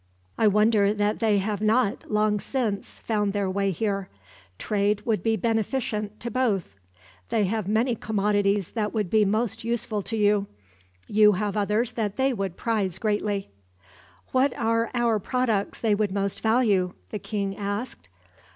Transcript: I wonder that they have not, long since, found their way here. Trade would be beneficent to both. They have many commodities that would be most useful to you. You have others that they would prize greatly." "What are our products they would most value?" the king asked.